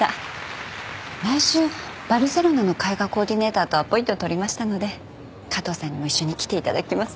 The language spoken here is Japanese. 来週バルセロナの絵画コーディネーターとアポイントを取りましたので加藤さんにも一緒に来ていただきます。